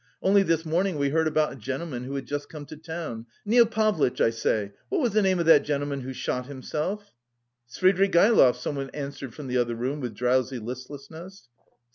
Only this morning we heard about a gentleman who had just come to town. Nil Pavlitch, I say, what was the name of that gentleman who shot himself?" "Svidrigaïlov," someone answered from the other room with drowsy listlessness.